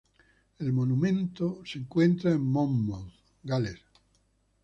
El monument se encuentra en Monmouth, Gales.